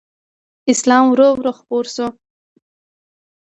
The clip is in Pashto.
اسلام ورو ورو خپور شو